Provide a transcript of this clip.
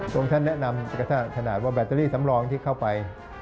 ท่านแนะนำขนาดว่าแบตเตอรี่สำรองที่เข้าไป